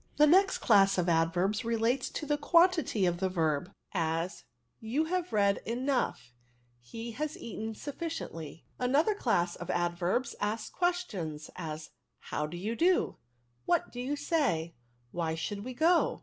*'" The next class of adverbs relates to the quantity of the verb ; as, ' you have read enough; he has eaten mfficienth/* ^^ Another class of adverbs asks questions ; as ^ jSbti; do you do ? fl^a^ do you say? Whjf should we go